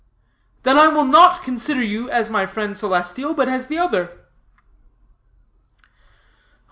"Then I will not consider you as my friend celestial, but as the other."